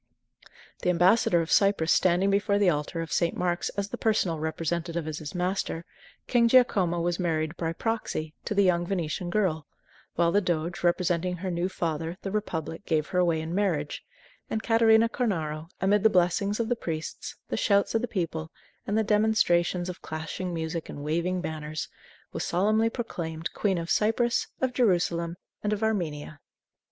The ambassador of Cyprus standing before the altar of St. Mark's as the personal representative of his master, King Giacomo was married "by proxy" to the young Venetian girl; while the doge, representing her new father, the republic, gave her away in marriage, and Catarina Cornaro, amid the blessings of the priests, the shouts of the people, and the demonstrations of clashing music and waving banners, was solemnly proclaimed Queen of Cyprus, of Jerusalem, and of Armenia.